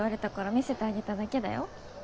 見せてあげただけだよ